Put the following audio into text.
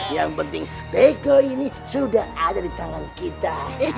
yang penting teko ini sudah ada di tangan kita